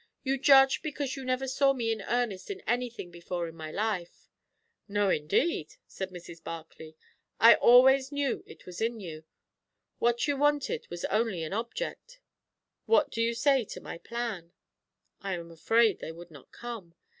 You judge because you never saw me in earnest in anything before in my life." "No, indeed," said Mrs. Barclay. "I always knew it was in you. What you wanted was only an object." "What do you say to my plan?" "I am afraid they would not come.